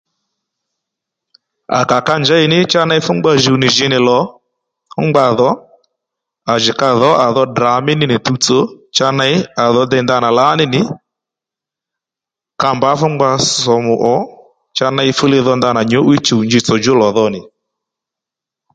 À kà ka njěy ní cha ney fú ngba jùw nì jǐ nì lò fú ngba dhò à jì ka dhǒ à dhò Ddrà mí ní nì tuwtsò cha ney à dho dey ndanà lǎní nì ka mbǎ fú ngba sòmù ò cha ney fúli dho ndanà nyǔ'wiy chùw njitsò djú lò dho nì